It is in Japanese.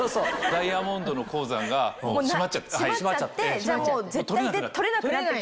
ダイヤモンドの鉱山が閉まっちゃってもうとれなくなった。